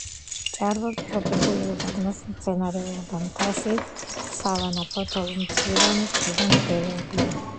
ჭარბობს ტროპიკული უდაბნოს მცენარეულობა, მთაში სავანა, ფოთოლმცვივანი ტყე და მდელოებია.